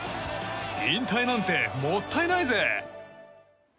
引退なんて、もったいないぜ！